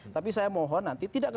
tapi saya mohon nanti tidak ke